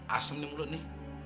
asam dia mulut ini